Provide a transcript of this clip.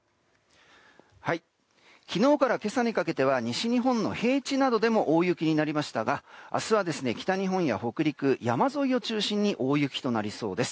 昨日から今朝にかけては西日本の平地でも大雪になりましたが明日は北日本や北陸山沿いを中心に大雪となりそうです。